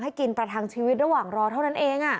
กินประทังชีวิตระหว่างรอเท่านั้นเอง